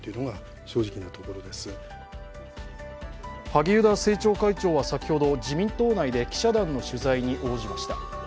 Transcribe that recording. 萩生田政調会長は先ほど自民党内で記者団の取材に応じました。